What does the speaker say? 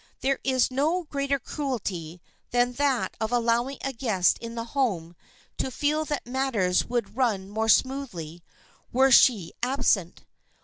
There is no greater cruelty than that of allowing a guest in the home to feel that matters would run more smoothly were she absent.